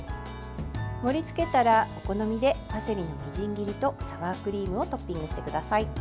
盛りつけたらお好みでパセリのみじん切りとサワークリームをトッピングしてください。